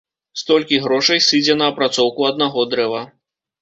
Столькі грошай сыдзе на апрацоўку аднаго дрэва.